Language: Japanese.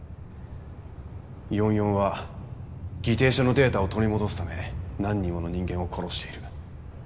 ４４は議定書のデータを取り戻すため何人もの人間を殺している。